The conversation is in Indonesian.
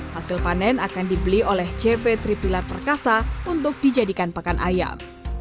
hasil panen akan dibeli oleh cv tripilar perkasa untuk dijadikan pakan ayam